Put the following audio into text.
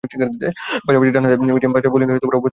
পাশাপাশি ডানহাতে medium fast বোলিংয়ে অভ্যস্ত জর্জ মানসে।